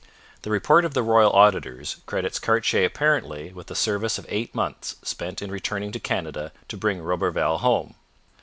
The report of the royal auditors credits Cartier apparently with a service of eight months spent in returning to Canada to bring Roberval home.